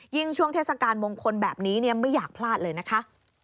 ช่วงเทศกาลมงคลแบบนี้ไม่อยากพลาดเลยนะคะ